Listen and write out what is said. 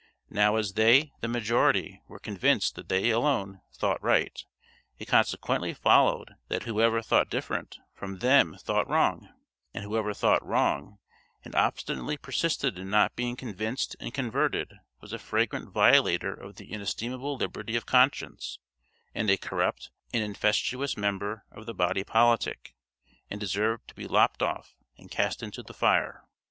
Now as they, the majority, were convinced that they alone thought right, it consequently followed that whoever thought different from them thought wrong: and whoever thought wrong, and obstinately persisted in not being convinced and converted, was a flagrant violator of the inestimable liberty of conscience, and a corrupt and infestious member of the body politic, and deserved to be lopped off and cast into the fire.